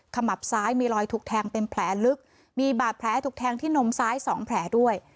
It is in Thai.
มับซ้ายมีรอยถูกแทงเป็นแผลลึกมีบาดแผลถูกแทงที่นมซ้าย๒แผลด้วย